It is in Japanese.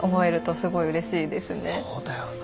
そうだよな。